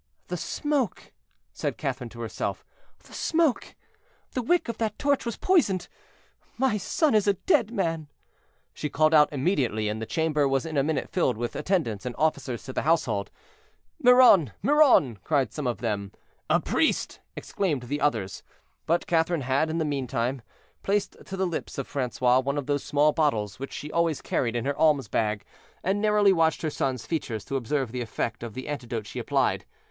"The smoke," said Catherine to herself; "the smoke! the wick of that torch was poisoned; my son is a dead man." She called out immediately, and the chamber was in a minute filled with attendants and officers of the household. "Miron, Miron!" cried some of them. "A priest!" exclaimed the others. But Catherine had, in the meantime, placed to the lips of Francois one of the small bottles which she always carried in her alms bag, and narrowly watched her son's features to observe the effect of the antidote she applied.